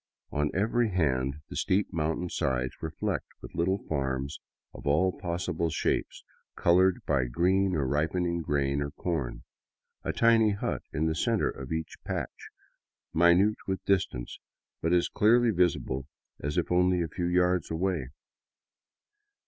On every hand the steep mountain sides were flecked with little farms of all possible shapes, colored by green or ripening grain or corn, a tiny hut in the center of each patch, minute with distance, but as clearly visible as if only a few yards away.